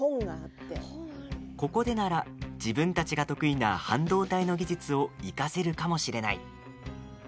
ここでなら、自分たちが得意な半導体の技術を生かせるかもしれない。